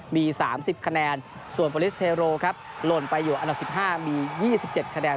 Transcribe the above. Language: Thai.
มีสามสิบคะแนนส่วนโปรลิสเทโร่ครับหล่นไปอยู่อันดับสิบห้ามียี่สิบเจ็ดคะแนน